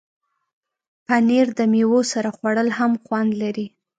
پنېر د میوو سره خوړل هم خوند لري.